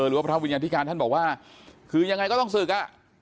หรือว่าพระวิญญาธิการท่านบอกว่าคือยังไงก็ต้องศึกอ่ะ